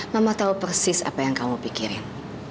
mama tahu persis apa yang kamu pikirin